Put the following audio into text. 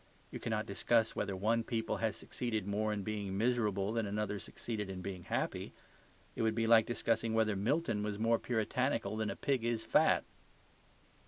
You cannot discuss whether one people has succeeded more in being miserable than another succeeded in being happy. It would be like discussing whether Milton was more puritanical than a pig is fat.